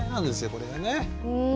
これがね。